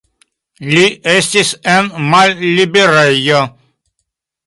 Li estis en malliberejo.